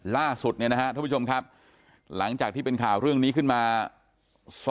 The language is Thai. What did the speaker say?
ล่าสุดนะทุกผู้ชมครับหลังจากที่เป็นข่าวเรื่องนี้ขึ้นมาสอ